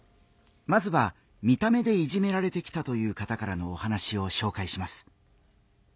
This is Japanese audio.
まずは見た目でいじめられてきたという方からのお話を紹介します。